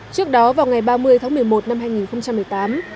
trước đó vào ngày ba mươi tháng một mươi một năm hai nghìn một mươi tám